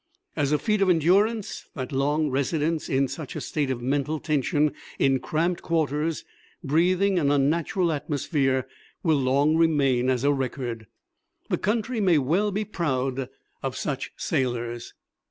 As a feat of endurance, that long residence in such a state of mental tension in cramped quarters, breathing an unnatural atmosphere, will long remain as a record. The country may well be proud of such sailors.